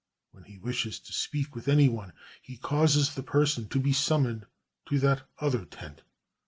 When he wishes to speak with any one, he causes the person to be summoned to that other tent.